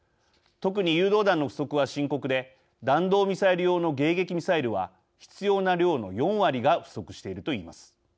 特に誘導弾の不足は深刻で弾道ミサイル用の迎撃ミサイルは必要な量の４割が不足していると言います。